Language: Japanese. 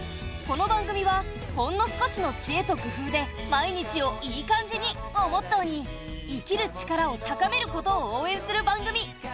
この番組はほんの少しの知恵と工夫で毎日を「イーカんじ」に！をモットーに生きる力を高めることを応えんする番組。